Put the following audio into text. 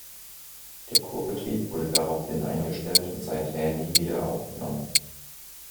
Der Kurbetrieb wurde daraufhin eingestellt und seither nie wieder aufgenommen.